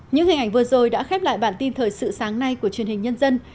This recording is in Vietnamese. những hình ảnh vừa rồi đã khép lại bản tin thời sự sáng nay của truyền hình nhân dân